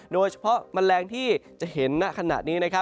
โดยเฉพาะมะแรงที่จะเห็นขนาดนี้